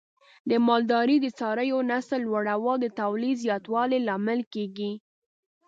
د مالدارۍ د څارویو نسل لوړول د تولید زیاتوالي لامل کېږي.